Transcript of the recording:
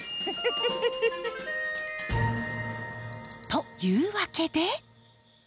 というわけで。